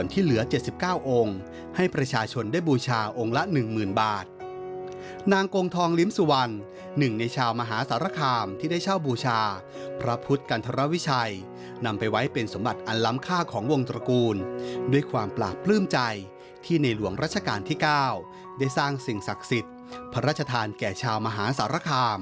นางกงทองลิมสุวรรณหนึ่งในชาวมหาสารคามที่ได้เช่าบูชาพระพุทธกันธรวิชัยนำไปไว้เป็นสมบัติอันลำค่าของวงตระกูลด้วยความปลากพลื้มใจที่ในหลวงราชการที่๙ได้สร้างสิ่งศักดิ์สิทธิ์พระราชทานแก่ชาวมหาสารคาม